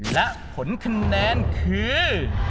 และผลคะแนนคือ